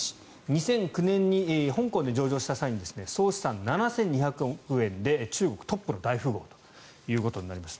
２００９年に香港で上場した際に総資産７２００億円で中国トップの大富豪ということになります。